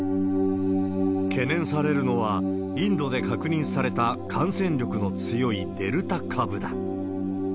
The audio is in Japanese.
懸念されるのは、インドで確認された感染力の強いデルタ株だ。